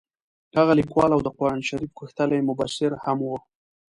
هغه لیکوال او د قران شریف غښتلی مبصر هم وو.